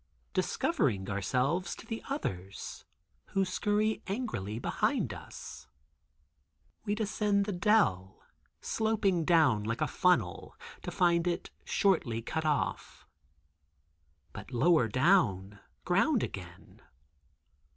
Discovering ourselves to the others, who scurry angrily behind us, we descend the dell, sloping down like a funnel, to find it shortly cut off. But lower down—ground again.